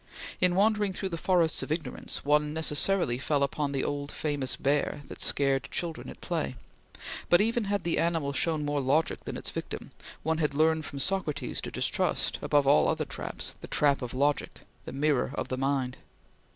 In wandering through the forests of ignorance, one necessarily fell upon the famous old bear that scared children at play; but, even had the animal shown more logic than its victim, one had learned from Socrates to distrust, above all other traps, the trap of logic the mirror of the mind.